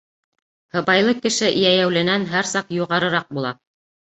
Һыбайлы кеше йәйәүленән һәр саҡ юғарыраҡ була.